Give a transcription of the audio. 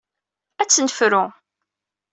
Ad tt-nefru.